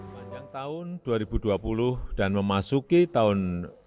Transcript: panjang tahun dua ribu dua puluh dan memasuki tahun dua ribu dua puluh